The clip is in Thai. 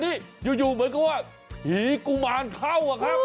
แต่นี่อยู่เหมือนก็ว่าหีกุมารเข้า